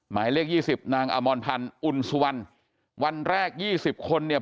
หมายเลขยี่สิบนางอมรพันธ์อุ่นสุวรรณวันแรกยี่สิบคนเนี่ย